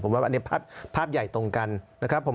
ผมว่าอันนี้ภาพใหญ่ตรงกันนะครับผม